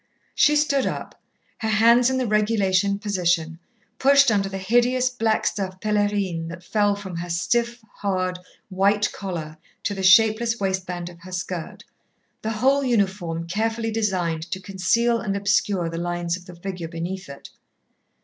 She stood up, her hands in the regulation position, pushed under the hideous black stuff pèlerine that fell from her stiff, hard, white collar to the shapeless waistband of her skirt, the whole uniform carefully designed to conceal and obscure the lines of the figure beneath it.